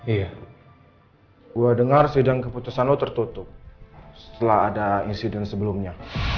iya gue dengar sidang keputusan lo tertutup setelah ada insiden sebelumnya